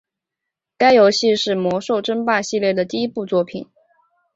该游戏是魔兽争霸系列的第一部作品。